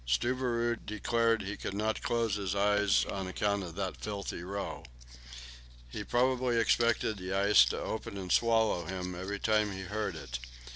Stubberud declared that he could not close his eyes on account of "that filthy row." He probably expected the ice to open and swallow him up every time he heard it.